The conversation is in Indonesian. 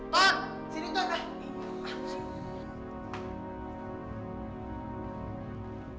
pak sini tuh kak